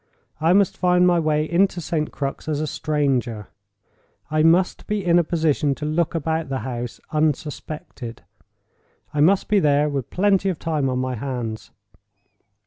I must find my way into St. Crux as a stranger—I must be in a position to look about the house, unsuspected—I must be there with plenty of time on my hands.